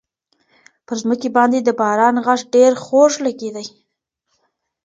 پر مځکي باندي د باران غږ ډېر خوږ لګېدی.